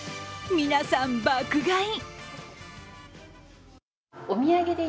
皆さん、爆買い。